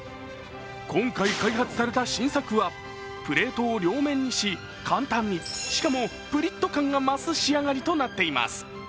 今回、開発された新作はプレートを両面にし簡単に、しかもぷりっと感が増す仕上がりになっています。